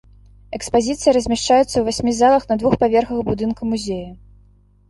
Экспазіцыя размяшчаецца ў васьмі залах на двух паверхах будынка музея.